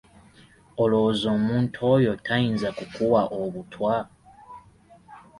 Olowooza omuntu oyo tayinza kukuwa obutwa?